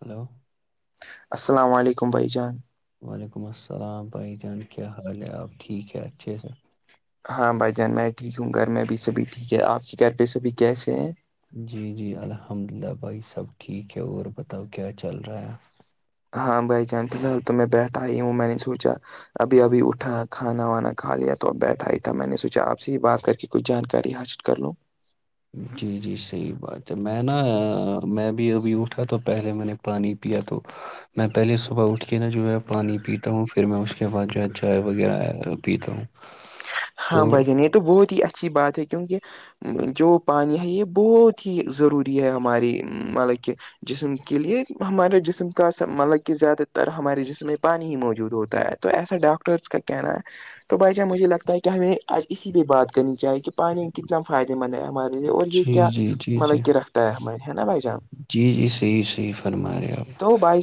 hello السلام علیکم بھائی جان وعلیکم السلام بھائی جان کیا حال ہے آپ ٹھیک ہے اچھے سےا ہاں بھائی جان میں ٹھیک ہوں گھر میں ا بھیھی سبھی ٹھیک ہے آپ کے گھر پہ س ابھی کیسے ہیں جی جی الحمد للہ بھائی سب ٹھیک ہے اور بتاؤ کیا چل رہا ہے ہاں بائی چان فی الحال تو میں بیٹھا آئی ہوں میں نے سوچا ابھی ابھی اٹھا کھانا وانا کھا لیا تو اب بیٹھا ہی تھا میں نے سوچا آپ سے ہی بات کر کے کوئی جانکاری حاصل کر لوں جی جی صحیح بات ہے میں نا میں بھی ابھی اٹھا تو پہلے میں نے پانی پیا تو میں پہلے صبح اٹھ کے ن جو ہے پانی پیتا ہوں پھر میں اس کے بعد جو ہے چائے وغیرہ پیتا ہوں ہاں تو بھائی جان یہ تو بہت ہی اچھی بات ہے کیونکہ جو پانی ہے یہ بہت ہی ضروری ہے ہماری مطلب کہ جسم کے لیے ہمارے جسم کا س مطلب کہ زیادہ تر ہمارے جسم میں پانی ہی موجود ہوتا ہے تو ایسا ڈاکٹرس کا کہنا ہے تو بھائی جان مجھے لگتا ہے کہ ہمیں آج اسی پہ بات کرنی چاہیے کہ پانی کتنا فائدے مند ہے ہمارے لیے اور یہ جی کیا جی جی جی مطلب کہ رفت ہے ہمار ہے نا بھائی جان جی جی صحیح صحیح فرما رہے آپ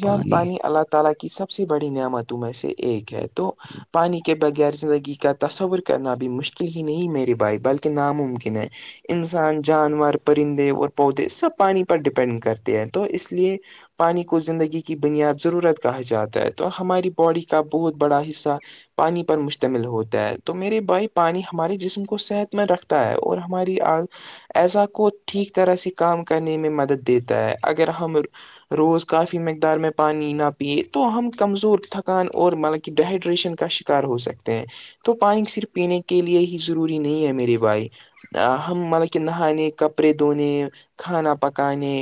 پانی ت کی سب سے بڑی نعمتوں میں سے ایک ہے تو پانی کے بغیر زندگی کا تصور کرنا بھیھی مشکل ہی نہیں میری بھائی بلکہ ناممکن ہے انسان جانور پرندے اور پودے سب پانی پر ڈپینڈ کرتے ہیں تو اس لیے پانی کو زندگی کی بنیاد ضرورت کہا جاتا ہے تو ہماری باڈی کا بہت بڑا حصہ پانی پر مشتمل ہوتا ہے تو میرے بھائی پانی ہمارے جسم کو صحت مند رکھتا ہے اور ہماری آ ایسا کو ٹھیک طرح سے کام کرنے میں مدد دیتا ہے اگر ہم روز کافی مقدار میں پانی نہ پیئے تو ہم کمزور تھکان اور مطلب کہ ڈہائیڈریشن کا شکار ہو سکتے ہیں تو پانی صرف پینے کے لیے ہی ضروری نہیں ہے میرے بھائی ہم مطلب کہ نہانے کپڑے دھونے کھانا پکانے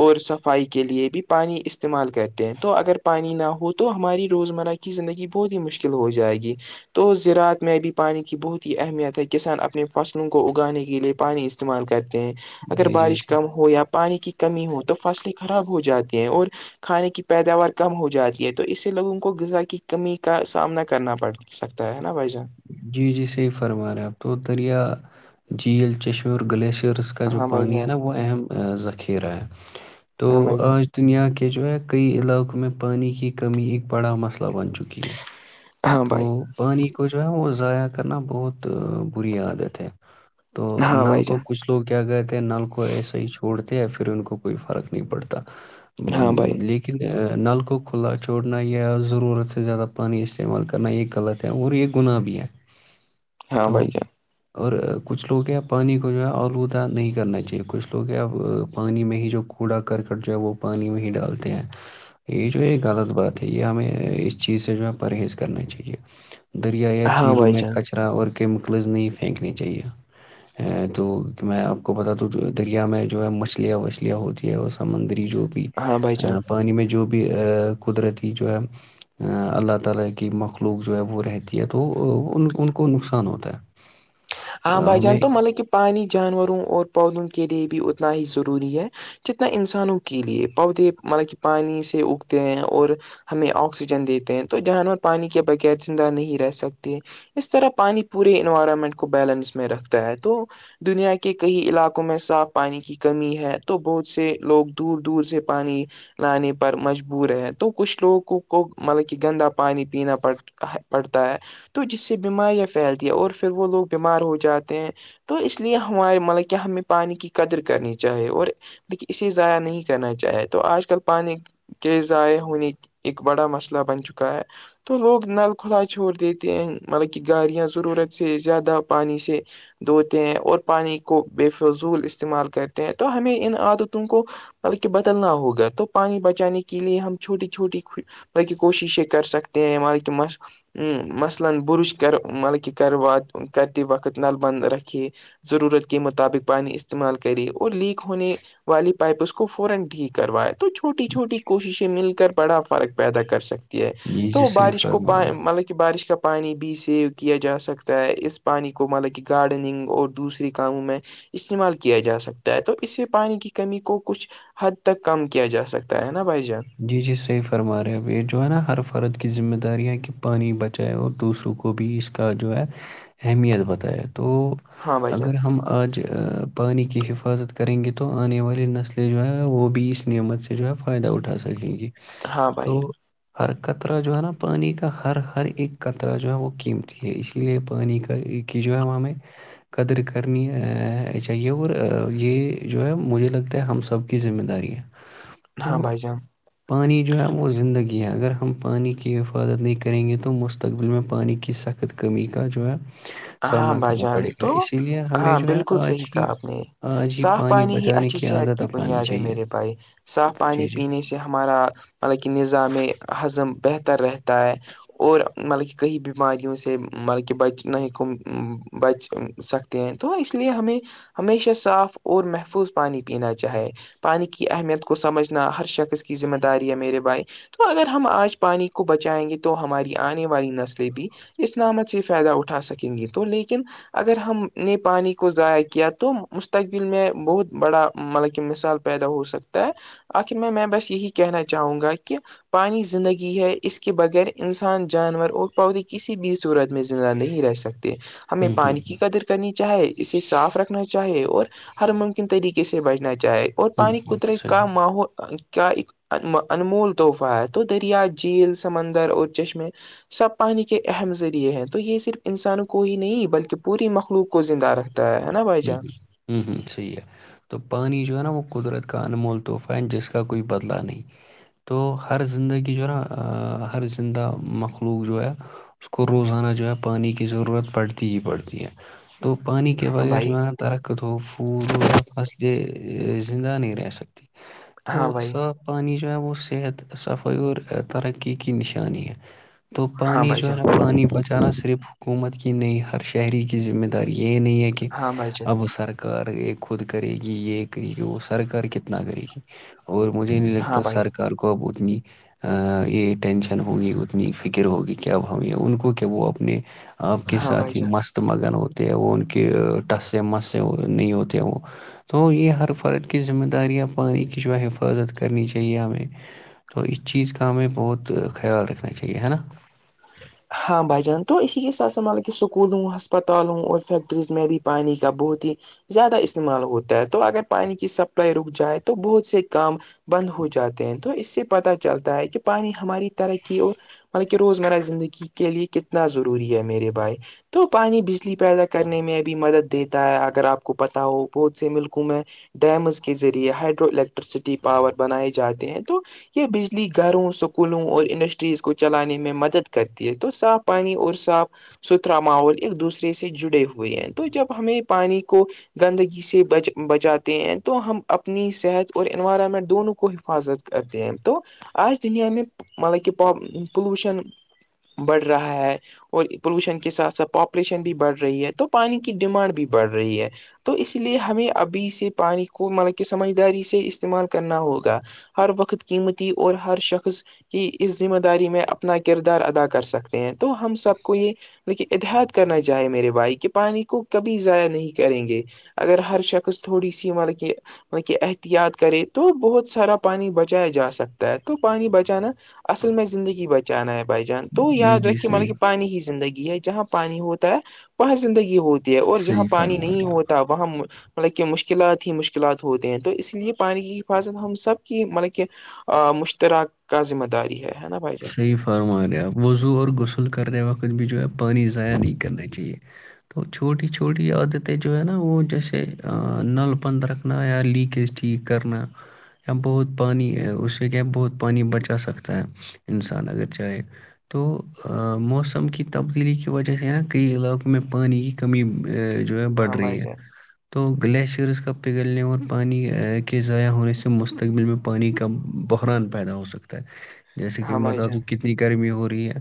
اور صفائی کے لیے بھی پانی استعمال کرتے ہیں تو اگر پانی نہ ہو تو تو ہماری روزمرہ کی زندگی بہت ہی مشکل ہو جائے گی تو زرعات میں بھی پانی کی بہت ہی اہمیت ہے کسان اپنے فصلوں کو اگانے کے لیے پانی استعمال کرتے ہیں اگر جی جی جی بارش کم ہو یا پانی کی کمی ہو تو فصلیں خراب ہو جاتی ہیں اور کھانے کی پیداوار کم ہو جاتی ہے تو اس سے لوگوں کو غذا کی کمی کا سامنا کرنا پڑ سکتا تو ہے نا بائی جان جی جی صحیح فرما رہے ہیں آپ تو دریا جھیل چشمور گلیشئرس کا جو ہاں بھائی پانی ہے جان نا وہ اہم ذخیرہ ہے تو ہاں بھائی جان آج دنیا کے جو ہے کئی علاقوں میں پانی کی کمی ایک بڑا مسئلہ بن چکی ہے ہاں تو بھائی پانی کو جو ہے وہ ضائع کرنا بہت بری عادت ہے تو ہاں نل بھائی کو جان کچھ لوگ کیا کہتے ہیں نل کو ایسے ہی چھوڑتے یا پھر ان کو کوئی فرق نہیں پڑتا ہاں بھائی م، لیکن نلک کو کھلا چھونا یا ضرورت سے زیادہ پانی استعمال کرنا یہ غلط ہے اور یہ گنا بھی ہے ہاں تو بھائی جان اور کچھ لوگ کیا پانی کو جو ہے آلودہ نہیں کرنا چاہیے کچھ لوگ کیا اب پانی میں ہی جو کوڑا کرکٹ جو ہے وہ پانی میں ہی ڈالتے ہیں یہ جو ہے غلط بات ہے یہ ہمیں اس چیز سے جو ہے پرہیز کرنا چاہیے دریا یا ہاں جھیلوں بھائی میں جان کچرا اور کیمیکلز نہیں پھینکنے چاہیے تو کہ میں آپ کو بتات دوں دریا میں جو ہے مچھلیاں وچھلیاں ہوتی ہے وہ سمندری جو ہاں بھائی جان پانی میں جو قدرتی جو ہے اللہ تعالی کی مخلوق جو ہے وہ رہتی تو ان کو نقصان ہوتا ہے ہاں آ، بھائی جان ہمیں تو مطلب کہ پانی جانوروں اور پودوں کے لیے بھی اتنا ہی ضروری ہے جتنا انسانوں کے لیے پودے مطلب کہ پانی سے اگتے ہیں اور ہمیں آکسیجن دیتے ہیں تو جانور پانی کے بغیر زندہ نہیں رہ سکتے اس طرح پانی پورے انوائرمنٹ کو بیلنس میں رکھتا ہے تو دنیا کے کئی علاقوں میں صاف پانی کی کمی ہے تو بہت سے لوگ دور دور سے پانی لانے پر مجبور ہے تو کچھ لوگوں کو مطلب کہ گندا پانی پینا پڑ پڑتا ہے تو جس سے بیماریاں پھیلتی ہے اور پھر وہ لوگ بیمار ہو جاتے ہیں تو اس لیے ہمارے مطلب کہ ہمیں پانی کی قدر کرنی چاہیے اور لیکن اسے ضائع نہیں کرنا چاہے تو آج کل پانی کہ ضائع ہونے ایک بڑا مسئلہ بن چکا ہے تو لوگ نل کھلا چھوڑ دیتے ہیں مطلب کہ گاڑیاں ضرورت سے زیادہ پانی سے دھوتے ہیں اور پانی کو بے فضول استعمال کرتے ہیں تو ہمیں ان عادتوں کو بلکہ بدلنا ہوگا تو پانی بچانے کے لیے ہم چھوٹی چھوٹی بلی کوششیں کر سکتے ہیں مل [unintelligible] ضرورت کے مطابق پانی استعمال کرے اور لیک ہونے والی پائپ اس کو فورا ٹھیک کروایا چھوٹی چھوٹی کوششیں مل کر بڑا فرق پیدا کر سکتی ہے جی جی تو صحیح بارش کو فرما پا رہے ہیں آپ مطلب بارش کا پانی بھی سیو کیا جا سکتا ہے اس پ پانی کو مطلب کہ گارڈننگ اور دوسری کا ہوں میں استعمال کیا جا سکتا ہے تو اس سے پانی کی کمی کو کچھ حد تک کم کیا جا سکتا ہے نا بھائی جان جی جی صحیح فرما رہے ہیں اب یہ جو ہے نا ہر فرد کی ذمہ داری ہے کہ پانی بچائے اور دوسروں کو کو بھی اس کا جو ہے اہمیت بتائے تو ہاں بھائی جان اگر ہم آج پانی کی حفاظت کریں گے تو آنے والی نسلیں جو ہے وہ بھی اس نعمت سے جو ہے فائدہ اٹھا سکتے ہیں لگیں گی ہاں بھائی تو ہر قطرہ جو ہے نا پانی کا ہر ہر ایک کطرہ جو ہے وہ قیمتی ہے اسی اس لیے پانی کا ایک کی جو ہے وہاں میں قدر کرنی چاہیے اور یہ جو ہے مجھے لگتا ہے ہم سب کی ذمہ داری ہے ہاں تو بھائی جان پانی جو ہے وہ زندگی ہے اگر ہم پانی کی حفاظت نہیں کریں گے تو مستقبل میں پانی کی سخت وقت کمی کا جو ہے ہاں سامنا بھائی کرنا جان پڑے گا تو اسی لیے ہمیں ہاں جو ہے بالکل آج صحیح ہی کہا آپ نے آج ہی صاف پانی ہی بچانے اچھی صحت عادت کی اپنانی بنیاد ہے چاہیے میرے بھائی صاف پانی جی جی پینے سے ہمارا مطلب کہ نظام ہضم بہتر رہتا ہے اور مطلب کہ کہئی بیماریوں سے مطلب کہ بچ نہ ہے بچ سکتے ہیں تو اس لیے ہمیں ہمیشہ صاف اور محفوظ پانی پینا چاہے پانی کی اہمیت کو سمجھنا ہر شخص کی ذمہ داری ہے میرے بھائی تو اگر ہم آج پانی کو بچائیں گے تو ہماری آنے والی نسلیں بھی اس نامت سے فائدہ اٹھا سکیں گے تو لیکن اگر ہم نے پانی کو ضائع کیا تو مستقبل میں بہت بڑا مطلب کہ مثال پیدا ہو سکتا ہے آخر میں میں بس یہی کہنا چاہوں گا کہ پانی زندگی ہے اس کے بغیر انسان جانور اور پودے کسی بھی صورت میں زندہ نہیں رہ سکتا ہمیں ہوں ہوں پانی کی قدر کرنی چاہے اسے صاف رکھنا چاہے اور ہر ممکن طریقے سے بچنا چاہے اور ہوں پانی ہوں کترے کا صحیح ماحول کیا ان انمول تحفہ ہے تو دریا جھیل سمندر اور چشمے سب پانی کے اہم ذریعے ہیں تو یہ صرف انسان کو کوئی نہیں بلکہ پوری مخلوق کو زندہ رکھتے [unintelligible] ہ ہوں ہوں صحیح ہے تو پانی جو ہے نا وہ قدرت کا انمول تحفہ ہے جس کا کوئی بدلا نہیں تو ہر زندگی جو ہے نا ہر زندہ مخلوق جو ہے اس کو روزانہ جو ہے پانی کی ضرورت پڑتی ہی پڑتی ہے تو پانی کے ہاں بغیر بھائی جو ہے درخت ہو پھول ہو یا فصلے زندہ نہیں رہ سکتی ہاں تو بھائی صاف پانی جو ہے وہ صحت صفائی اور ترقی کی نشانی ہے تو ہاں پانی بھائی جو ہے نا جان پانی بچانا صرف حکومت کی نہیں ہر شہری کی ذمہ داری یہی نہیں ہے کہ ہاں بھائی جان اب سرکار یہ خود کرے گی یہ کرے گی وہ سرکار کتنا کرے گی اور مجھے نہیں ہاں لگتا بھائی سرکار کو اب اتنی ا یہ ٹینشن ہوگی اتنی فکر ہوگی کہ اب ہمیں ان کو کیا وہ اپنے آپ کے ہاں بھائی ساتھ ہی جان مست مگن ہوتے ہیں وہ ان کے ٹسے مس سے نہیں ہوتے ہیں وہ تو یہ ہر فرد کی ذمہ دار ں پانی کی جو ہے حفاظت کرنی چاہیے ہمیں تو اس چیز کا ہمیں بہت خیال رکھنا چاہیے ہے نا ہاں بھائی جان تو اسی کے ساتھ س مال کہ اسکولوں ہسپتالوں اور فیکٹریز میں بھی پانی کا بہت ہی زیادہ استعمال ہوتا ہے تو اگر پانی کی سپلائی رک جائے تو بہت سے کام بند ہو جاتے ہیں تو اس سے پت چلتا ہے کہ پانی ہماری ترقی اور مطلب کہ روزمرہ زندگی کے لیے کتنا ضروری ہے میرے بھائی تو پانی بجلی پیدا کرنے میں بھی مدد دیتا ہے اگر آپ کو پتا ہو بہت سے ملکوں میں ڈیمز کے ذریعے ہائڈرو الیکٹریسٹی پاور بنائے جاتے ہیں تو یہ بجلی گھروں اسکولوں اور انڈسٹریز کو چلانے میں مدد کرتی ہے تو صاف پانی اور صاف ستھرا ماحول ایک دوسرے سے جڑے ہوئے ہیں تو جب ہمیں پانی کو گندگی سے بچاتے ہیں تو ہم اپنی صحت اور انوائرمنٹ دونوں کو حفاظت کر د ہیں تو آج دنیا میں مطلب کہ پلوشن بڑھ رہا ہے اور پولوشن کے ساتھ ساتھ پاپولیشن بھی بڑھ رہی ہے تو پانی کی ڈیمانڈ بھی بڑھ رہی ہے تو اس لیے ہمیں ابھی سے پانی کو مطلب کہ سمجھداری سے استعمال کرنا ہوگا ہر وقت قیمتی اور ہر شخص کی اس ذمہ داری میں اپنا کردار ادا کر سکتے ہیں تو ہم سب کو یہ لیکن اتحط کرنا چاہیں میرے بھائی کہ پانی کو کبھی ضائع نہیں کریں گے اگر ہر شخص تھوڑی سی مطلب کہ ان کی احتیاط کرے تو بہت سارا پانی بچایا جا سکتا ہے تو پانی بچانا اصل میں زندگی بچانا ہے بھائی جان تو جی یاد جی رکھیے مطلب صحیح کہ پانی ہی زندگی ہے جہاں پانی ہوتا ہے وہاں زندگی ہوتی ہے اور جہاں صحیح پانی فرما نہیں رہے ہوتا وہاں مطلب کہ مشکلات ہی مشکلات ہوتے ہیں تو اس لیے پانی کی حفاظت ہم سب کی مطلب کہ مشتراک کا ذمہ داری ہے نا بھائی جان فرماے آپ وضو اور غسل کرتے وقت بھی جو ہے پانی ضائع نہیں کرنا چاہیے تو چھوٹی چھوٹی عادتیں جو ہے نا وہ جیسے نل بند رکھنا یا لیکیج ٹھیک کرنا بہت پانی اس سے کیا ہے بہت پانی بچا سکتا ہے انسان اگر چاہے تو موسم کی تبدیلی کی وجہ سے ہے نا کئی علاقوں میں پانی کی کمی ا جو ہے بڑھ ہاں بھائی رہی ہے جان تو گلیشیئرز کا پگھلنے اور پانی کے ضائع ہونے سے مستقبل میں پانی کا بحران پیدا ہو سکتا ہے جیسے کہ ہاں بھائی بتا دوں جان کتنی گرمی ہو رہی ہے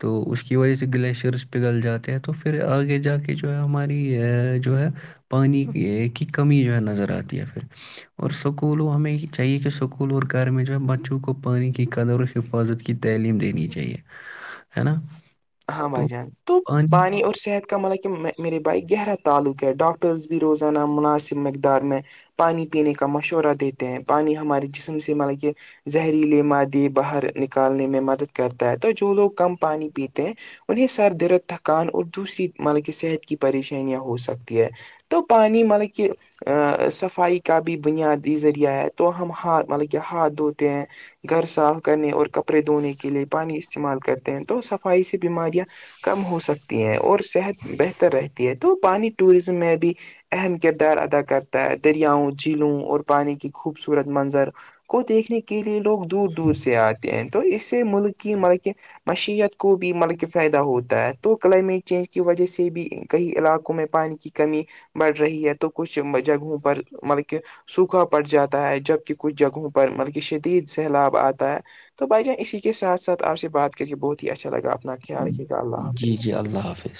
تو اس کی وجہ سے گلیشیئرس پگھل جاتے ہیں تو پھر آگے جا کے جو ہے ہماری جو ہے پانی کی کمی جو ہے نظر آتی ہے پھر اور سکول و ہمیں یہ چاہیے کہ سکول اور گھر میں جو ہے بچوں کو پانی کی قدر حفاظت کی تعلیم دینی چاہیے ہے نا ہاں بھائی تو جان تو پانی اور صحت کا م ہے کہ میرے بھائی گہرا تعلق ہے ڈاکٹرز بھی روزانہ مناسب مقدار میں پانی پینے کا مشورہ دیتے ہیں پانی ہمارے جسم سے مطلب کہ زہریلے مادی باہر نکالنے میں مدد کرتا ہے تو جو لوگ کم پانی پیتے انہیں سر در تھکان اور دوسری مط کہ صحت کی پریشانیاں ہو سکتی ہے تو پانی مطلب کہ ا صفائی کا بھی بنیادی ذریعہ ہے تو ہم ہات مطلب کہ ہاتھ دھوتے ہیں گھر صاف کرنے اور کپڑے دھونے کے لیے پانی استعمال کرتے ہیں تو سب صفائی سی بیماریاں کم ہو سکتی ہیں اور صحت بہتر رہتی ہے تو پانیٹوریزم میں بھی اہم کردار ادا کرتا ہے دریاں جھیلوں اور پانی کی خوبصورت منظر کو دیکھنے کے لیے لوگ دور دور سے آتے ہیں تو اس سے ملک کی م مشت کو بھی مطلب کہ فائدہ ہوتا ہے تو کلائمیٹ چینج کی وجہ سے بھی کئی علاقوں میں پانی کی کمی بڑھ رہی ہے تو کچھ جگہوں پر مطلب کہ سوکھا پڑ جاتا ہے جبک کچھ جگہوں پر مطلب کہ شدید سیلاب آتا ہے تو بھائی جان اسی کے ساتھ ساتھ آپ سے بات کر کے بہت ہی اچھا لگا اپنا خیال رکھیے گا اللہ جی حافظ جی اللہ حافظ